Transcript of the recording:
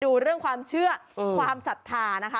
ดูเรื่องความเชื่อความศรัทธานะคะ